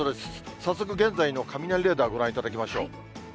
早速、現在の雷レーダー、ご覧いただきましょう。